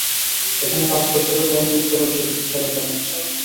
এখানে কাজ করতে করতে আমি বুঝতে পারছি এটা স্পেশাল একটা ম্যাচ।